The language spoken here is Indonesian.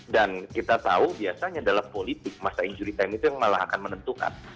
dan kita tahu biasanya dalam politik masa injury time itu yang malah akan menentukan